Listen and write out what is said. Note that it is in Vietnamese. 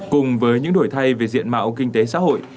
cùng với những đổi thay về diện mạo kinh tế xã hội